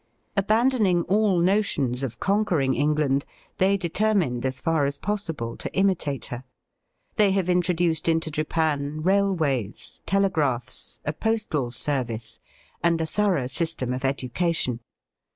Abandoning all notions of conquering England, they determined as far as possible to imitate her. They have intro duced into Japan railways, telegraphs, a postal service, and a thorough system of education.